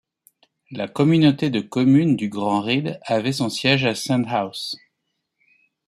La communauté de communes du Grand Ried avait son siège à Sundhouse.